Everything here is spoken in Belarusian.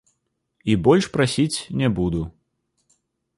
І больш прасіць не буду.